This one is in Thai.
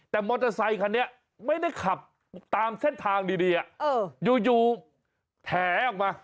แต่มอเตอร์ไซคันนี้ไม่ได้ขับตามเส้นทางดีอยู่แถออกมา